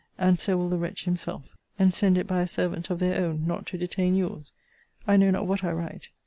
And so will the wretch himself. And send it by a servant of their own, not to detain your's. I know not what I write.